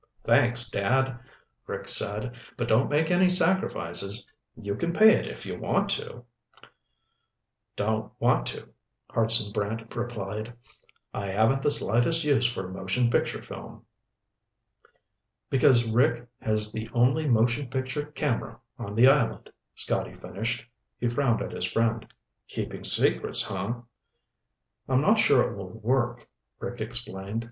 "Thanks, Dad," Rick said. "But don't make any sacrifices. You can pay it if you want to." "Don't want to," Hartson Brant replied. "I haven't the slightest use for motion picture film." "Because Rick has the only motion picture camera on the island," Scotty finished. He frowned at his friend. "Keeping secrets, huh?" "I'm not sure it will work," Rick explained.